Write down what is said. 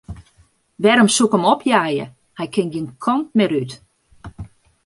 Wêrom soe ik him opjeie, hy kin gjin kant mear út.